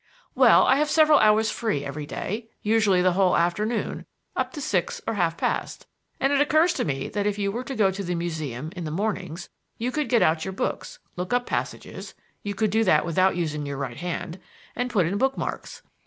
"Well, I have several hours free every day usually the whole afternoon up to six or half past and it occurs to me that if you were to go to the Museum in the mornings you could get out your books, look up passages (you could do that without using your right hand), and put in bookmarks.